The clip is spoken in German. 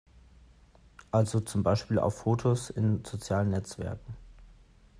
Also zum Beispiel auf Fotos in sozialen Netzwerken.